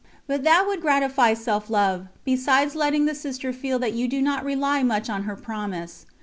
But that would gratify self love, besides letting the Sister feel that you do not rely much on her promise.